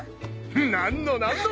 何の何の！